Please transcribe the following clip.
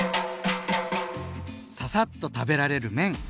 ササッと食べられる麺！